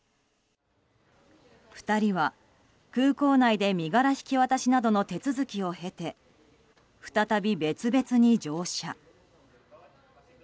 ２人は空港内で身柄引き渡しなどの手続きを経て再び別々に乗車。